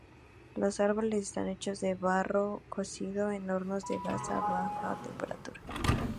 Los árboles están hechos de barro cocido en hornos de gas a baja temperatura.